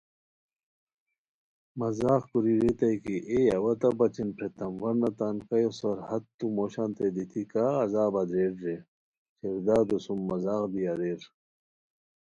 مذاق کوری ریتائے کی ایے اوا تہ بچین پھریتام ورنہ تان کایو سرحدتو موشانتین دیتی کا عذابہ دریران رے، شیردادو سُم مذاق دی اریر